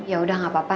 ya udah gak apa apa